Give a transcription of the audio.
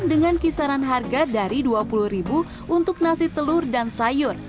dengan kisaran harga dari rp dua puluh untuk nasi telur dan sayur